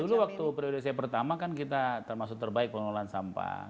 dulu waktu periode saya pertama kan kita termasuk terbaik pengelolaan sampah